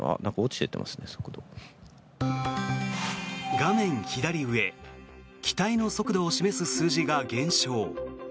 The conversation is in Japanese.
画面左上機体の速度を示す数字が減少。